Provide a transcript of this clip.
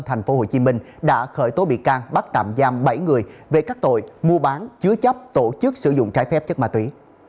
tp hcm đã khởi tố bị can bắt tạm giam bảy người về các tội mua bán chứa chấp tổ chức sử dụng trái phép chất ma túy